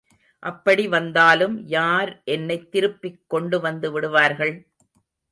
அப்படி வந்தாலும் யார் என்னைத் திருப்பிக் கொண்டுவந்து விடுவார்கள்?